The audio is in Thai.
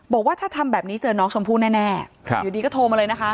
บอกว่าถ้าทำแบบนี้เจอน้องชมพู่แน่อยู่ดีก็โทรมาเลยนะคะ